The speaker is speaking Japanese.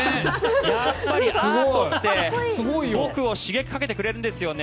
やっぱりアートって僕に刺激かけてくれるんですよね。